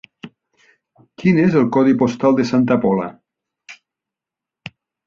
Quin és el codi postal de Santa Pola?